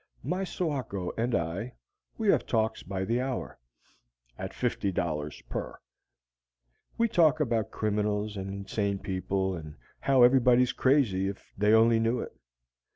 My soako and I, we have talks by the hour. At fifty dollars per. We talk about criminals and insane people and how everybody's crazy if they only knew it.